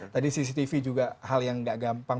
tadi cctv juga hal yang tidak gampang